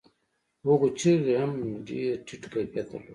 هغو چيغو هم ډېر ټيټ کيفيت درلود.